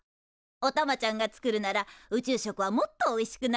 おたまちゃんが作るなら宇宙食はもっとおいしくなるわね。